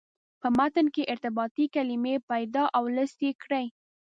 په متن کې ارتباطي کلمې پیدا او لست یې کړئ.